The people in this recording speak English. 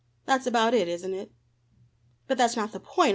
That's about it, isn't it?" "But that's not the point!